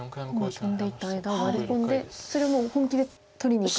今トンでいった間をワリ込んでそれもう本気で取りにいくって。